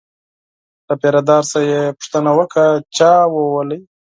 له پیره دار څخه یې پوښتنه وکړه چا ووهلی.